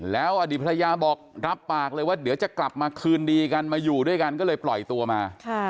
แล้วอดีตภรรยาบอกรับปากเลยว่าเดี๋ยวจะกลับมาคืนดีกันมาอยู่ด้วยกันก็เลยปล่อยตัวมา